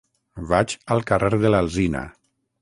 Vaig al carrer de l'Alzina.